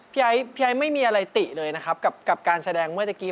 พี่ไอ้ไม่มีอะไรติเลยนะครับกับการแสดงเมื่อตะกี้